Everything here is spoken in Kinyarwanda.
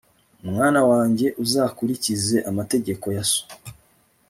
mwana wanjye, uzakurikize amategeko ya so